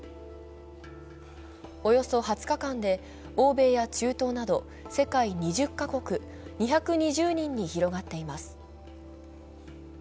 およそ２０日間で、欧米や中東など世界２０か国、２２０人に広がっています。